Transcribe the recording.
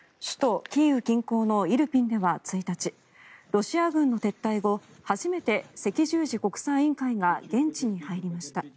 首都キーウ近郊のイルピンでは１日ロシア軍の撤退後初めて赤十字国際委員会が現地に入りました。